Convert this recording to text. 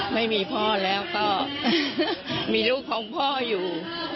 ไม่มีพ่อแล้วก็มีลูกของพ่ออยู่